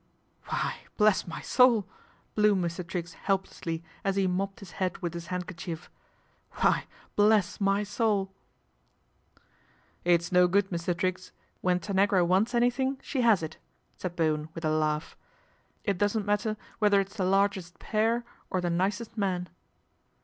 " Why, bless my soul !" blew Mr. Triggs help lessly as he mopped his head with his handker chief. " Why, bless my soul 1 "" It's no good, Mr. Triggs. When Tanagra wants anything she has it," said Bowen with a laugh. " It doesn't matter whether it's the largest pear or the nicest man